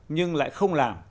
nhưng lại không làm